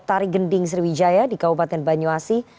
tari gending sriwijaya di kabupaten banyuasi